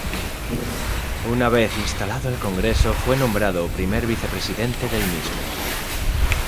Una vez instalado el Congreso fue nombrado primer vicepresidente del mismo.